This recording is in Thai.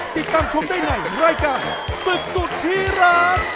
ติดตามชมได้ในรายการศึกสุดที่รัก